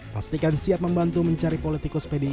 pastikan siap membantu mencari politikus pdi